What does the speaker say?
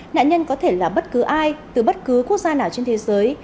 nạn nhân có thể là bất cứ ai từ bất cứ quốc gia nào trên thế giới